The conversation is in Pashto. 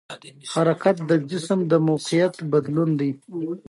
حرکت د جسم موقعیت بدلون دی.